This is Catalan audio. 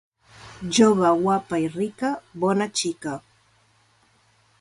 Jove guapa i rica, bona xica.